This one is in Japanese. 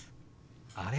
あれ？